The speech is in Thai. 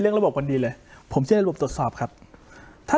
เรื่องระบบคนดีเลยผมเชื่อในระบบตรวจสอบครับถ้า